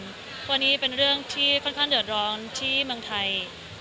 วันนี้เป็นเรื่องที่ค่อนข้างเดือดร้อนที่เมืองไทย